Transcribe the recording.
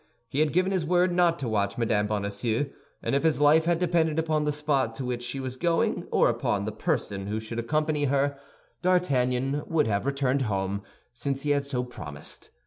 He had given his word not to watch Mme. Bonacieux, and if his life had depended upon the spot to which she was going or upon the person who should accompany her, D'Artagnan would have returned home, since he had so promised.